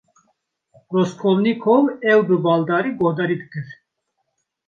Raskolnîkov ew bi baldarî guhdarî dikir.